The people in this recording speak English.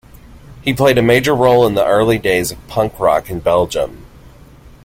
He played a major role in the early days of punk rock in Belgium.